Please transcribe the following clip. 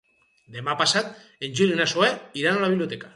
Demà passat en Gil i na Zoè iran a la biblioteca.